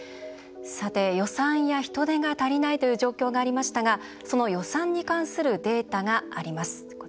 予算や人手が足りないという状況がありましたがその予算に関するデータがあります。